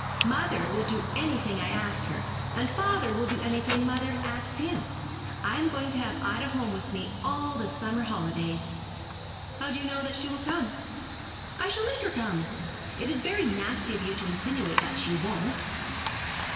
'Mother will do anything I ask her, and father will do anything mother asks him. I am going to have Ida home with me all the summer holidays.' 'How do you know that she will come?' 'I shall make her come. It is very nasty of you to insinuate that she won't.'